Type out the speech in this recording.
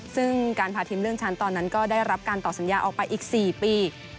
ซึ่งการพาทีมเลื่อนชั้นตอนนั้นก็ได้รับการต่อสัญญาออกไปอีก๔ปี